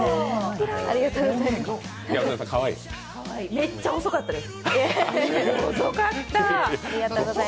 めっちゃ細かったです。